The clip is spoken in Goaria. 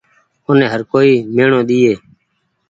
اون هر ڪوئي ميڻو ۮيئي۔